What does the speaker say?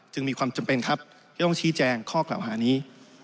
มีความจำเป็นครับที่ต้องชี้แจงข้อกล่าวหานี้